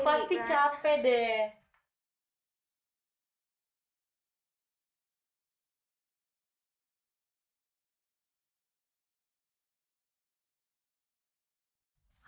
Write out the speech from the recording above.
lo pasti capek deh